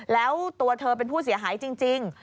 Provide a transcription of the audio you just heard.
แล้วตัวเธอเป็นผู้เสียหายจริง